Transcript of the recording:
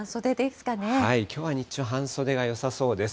きょうは日中、半袖がよさそうです。